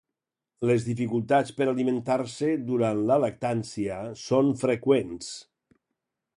Les dificultats per alimentar-se durant la lactància són freqüents.